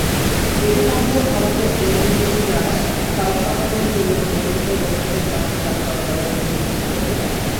এরই মধ্যে ভারতের এনডিটিভি জানায়, কাল সকালে জরুরি বৈঠকে বসেছেন পাকিস্তান সরকারের নীতিনির্ধারকেরা।